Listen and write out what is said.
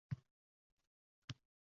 Dildorimning diydoriga tushlarda to’ydim